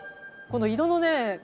この色のね